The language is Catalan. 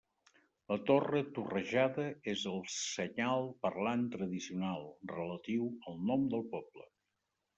La torre torrejada és el senyal parlant tradicional, relatiu al nom del poble.